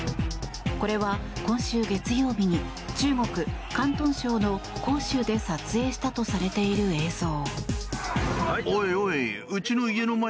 これは、今週月曜日に中国・広東省の広州で撮影したとされている映像。